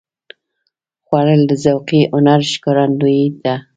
خوړل د ذوقي هنر ښکارندویي ده